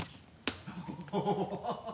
ハハハ